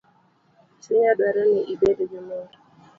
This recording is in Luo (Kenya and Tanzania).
Chunya dwaro ni ibed gi mor